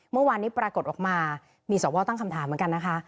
เมื่อวานนี้ปรากฏออกมามีสวตั้งคำถามเหมือนกันนะคะ